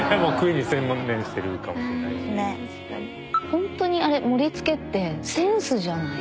ほんとにあれ盛りつけってセンスじゃない。